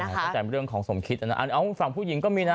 ก็แต่เรื่องของสมคิดอันนี้ฝั่งผู้หญิงก็มีนะ